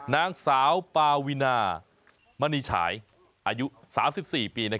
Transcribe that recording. นางสาวปาวินามณีฉายอายุ๓๔ปี